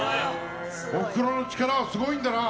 おふくろの力はすごいんだな。